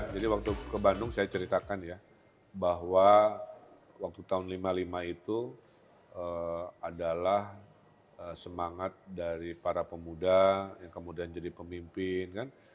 jadi waktu ke bandung saya ceritakan ya bahwa waktu tahun lima puluh lima itu adalah semangat dari para pemuda yang kemudian jadi pemimpin